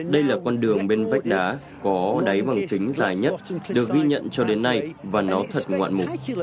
đây là con đường bên vách đá có đáy bằng kính dài nhất được ghi nhận cho đến nay và nó thật ngoạn mục